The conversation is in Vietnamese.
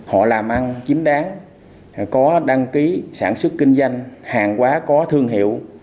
họ làm ăn chính đáng có đăng ký sản xuất kinh doanh hàng quá có thương hiệu